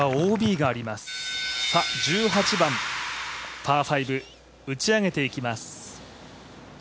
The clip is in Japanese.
１８番パー５、打ち上げていきます。